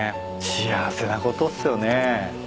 幸せなことっすよね。